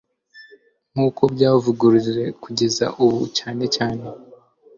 nk uko ryavuguruze kugeza ubu cyane cyane